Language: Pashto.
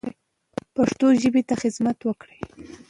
پښتو ژبې ته خدمت وکړو.